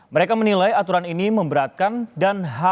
mereka menilai aturan ini memberatkan dan halal